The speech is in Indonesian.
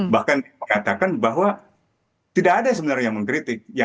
bahkan mengatakan bahwa tidak ada sebenarnya yang mengkritik